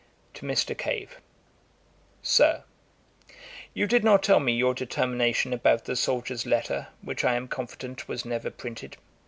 'To MR. CAVE. 'SIR, 'You did not tell me your determination about the 'Soldier's Letter,' which I am confident was never printed.